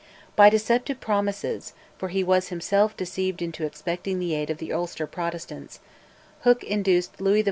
By deceptive promises (for he was himself deceived into expecting the aid of the Ulster Protestants) Hooke induced Louis XIV.